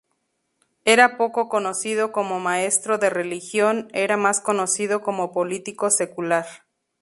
Era poco conocido como maestro de religión, era más conocido como político secular.